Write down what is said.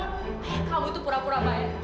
ayah kamu itu pura pura bayang